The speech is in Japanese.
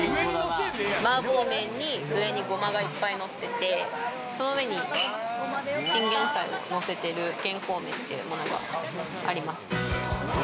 麻婆麺に上にゴマがいっぱいのっててその上にチンゲンサイをのせてる健康麺っていうものがあります。